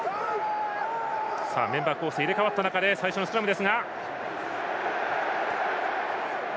メンバー構成が入れ替わってから最初のスクラム。